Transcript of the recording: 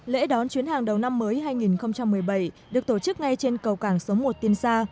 lễ đón chuyến hàng đầu năm mới hai nghìn một mươi bảy được tổ chức ngay trên cầu cảng số một tiên sa